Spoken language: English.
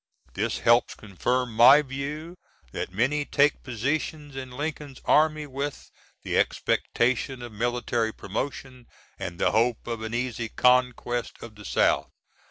This helps confirm my view, that many take positions in Lincoln's Army with the expectation of military promotion, & the hope of an easy conquest of the South.